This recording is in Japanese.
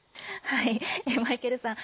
マイケルさん